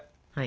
はい。